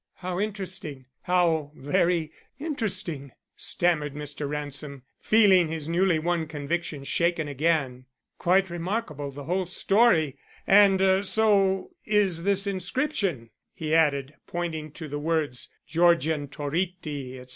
"How interesting, how very interesting," stammered Mr. Ransom, feeling his newly won convictions shaken again. "Quite remarkable the whole story. And so is this inscription," he added, pointing to the words Georgian Toritti, etc.